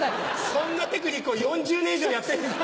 そんなテクニックを４０年以上やってんです。